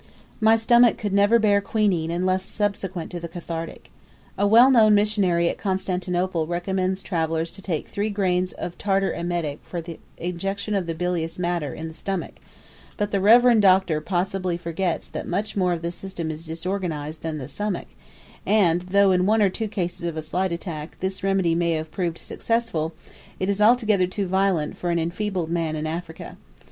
My stomach could never bear quinine unless subsequent to the cathartic. A well known missionary at Constantinople recommends travellers to take 3 grains of tartar emetic for the ejection of the bilious matter in the stomach; but the reverend doctor possibly forgets that much more of the system is disorganized than the stomach; and though in one or two cases of a slight attack, this remedy may have proved successful, it is altogether too violent for an enfeebled man in Africa.